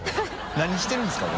何してるんですかね？